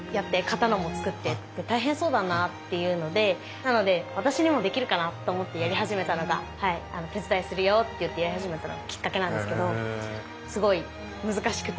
なので私にもできるかなと思ってやり始めたのが手伝いするよって言ってやり始めたのがきっかけなんですけどすごい難しくて。